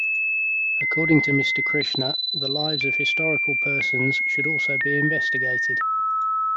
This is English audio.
According to Mr. Krishna the lives of historical persons should also be investigated.